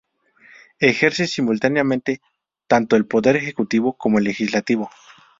Ejerce simultáneamente tanto el poder ejecutivo como el legislativo.